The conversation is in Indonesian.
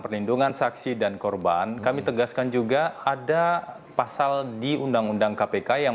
perlindungan saksi dan korban kami tegaskan juga ada pasal di undang undang kpk yang